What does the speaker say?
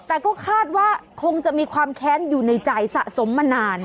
แต่ก็คาดว่าคงจะมีความแค้นอยู่ในใจสะสมมานาน